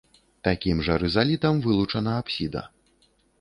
Такім жа рызалітам вылучана апсіда.